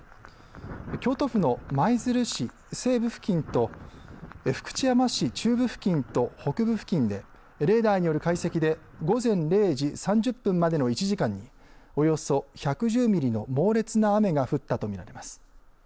京都府の舞鶴市西部付近と福知山市中部付近と北部付近でレーダーによる解析で午前０時３０分までの１時間におよそ１１０ミリの猛烈な雨が降ったと見られます。